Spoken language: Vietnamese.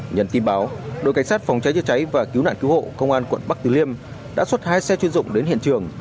nhận tin báo đội cảnh sát phòng cháy chữa cháy và cứu nạn cứu hộ công an quận bắc từ liêm đã xuất hai xe chuyên dụng đến hiện trường